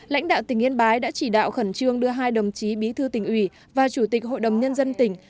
lãnh đạo tỉnh yên bái đã chỉ đạo khẩn trương đưa hai đồng chí bí thư tỉnh ủy và chủ tịch hội đồng nhân dân tỉnh